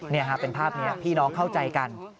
นี่ครับเป็นภาพนี้พี่น้องเข้าใจกัน